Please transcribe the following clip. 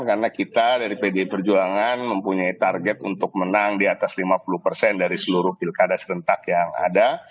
karena kita dari pdi perjuangan mempunyai target untuk menang di atas lima puluh dari seluruh pilkada serentak yang ada